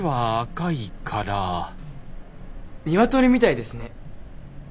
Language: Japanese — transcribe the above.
ニワトリみたいですね。